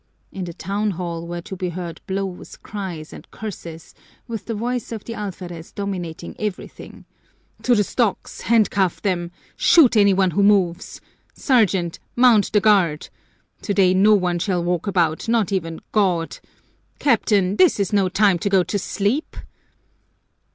In the town hall were to be heard blows, cries, and curses, with the voice of the alferez dominating everything: "To the stocks! Handcuff them! Shoot any one who moves! Sergeant, mount the guard! Today no one shall walk about, not even God! Captain, this is no time to go to sleep!"